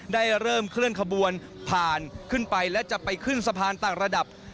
ได้เริ่มเคลื่อนขบวนผ่านขึ้นไปและจะไปขึ้นสะพานต่างระดับ